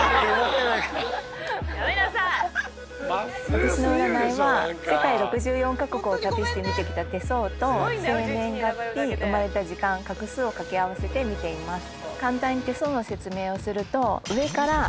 私の占いは世界６４カ国を旅して見てきた手相と生年月日生まれた時間画数を掛け合わせて見ています。